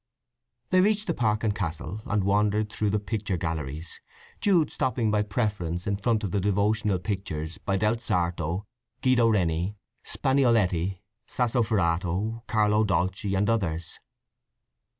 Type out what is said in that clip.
They reached the park and castle and wandered through the picture galleries, Jude stopping by preference in front of the devotional pictures by Del Sarto, Guido Reni, Spagnoletto, Sassoferrato, Carlo Dolci, and others.